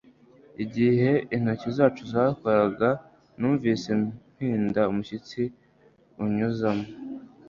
Igihe intoki zacu zakoraga, numvise mpinda umushyitsi unyuzamo.